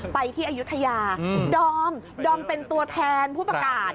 ไปที่อายุทยาดอมดอมเป็นตัวแทนผู้ประกาศ